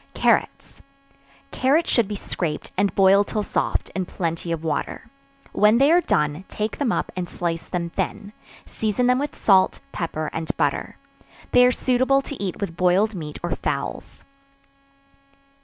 Carrots. Carrots should be scraped, and boiled till soft, in plenty of water; when they are done, take them up, and slice them thin; season them with salt, pepper and butter. They are suitable to eat with boiled meat or fowls.